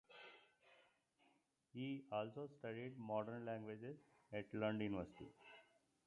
He also studied modern languages at Lund University.